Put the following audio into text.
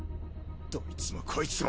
どいつもこいつも。